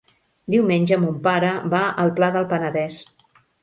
Diumenge mon pare va al Pla del Penedès.